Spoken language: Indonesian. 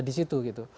di situ gitu